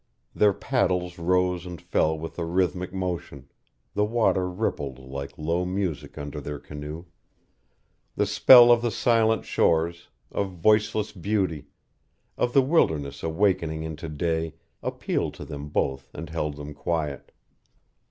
Their paddles rose and fell with a rhythmic motion; the water rippled like low music under their canoe; the spell of the silent shores, of voiceless beauty, of the wilderness awakening into day appealed to them both and held them quiet.